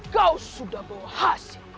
kau sudah bawa hasil